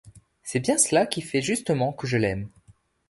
C’est bien cela qui fait Justement que je l’aime.